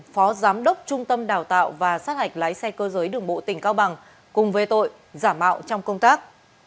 phó giám đốc trung tâm đào tạo và sát hạch lái xe cơ giới đường bộ tỉnh cao bằng cùng về tội giả mạo trong công tác